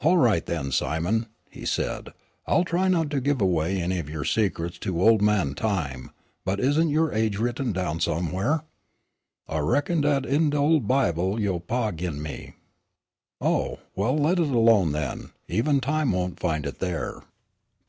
"All right, then, Simon," he said, "I'll try not to give away any of your secrets to old man Time. But isn't your age written down somewhere?" "I reckon it's in dat ol' Bible yo' pa gin me." "Oh, let it alone then, even Time won't find it there."